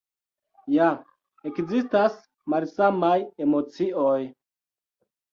Ja ekzistas malsamaj emocioj.